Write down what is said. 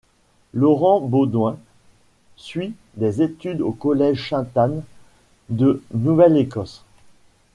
Laurent Beaudouin suit des études au Collège Ste-Anne de Nouvelle-Écosse.